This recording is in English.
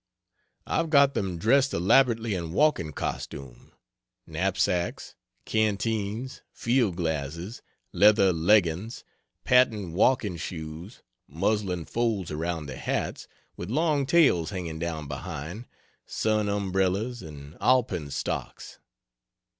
I've got them dressed elaborately in walking costume knapsacks, canteens, field glasses, leather leggings, patent walking shoes, muslin folds around their hats, with long tails hanging down behind, sun umbrellas, and Alpenstocks.